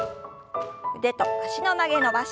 腕と脚の曲げ伸ばし。